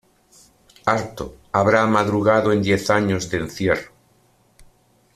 Harto habrá madrugado en diez años de encierro.